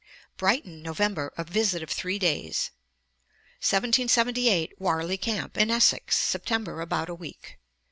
Brighton, November; a visit of three days. Ante, iii. 210. 1778. Warley Camp, in Essex, September; about a week.